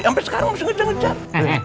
sampai sekarang masih ngejar ngejar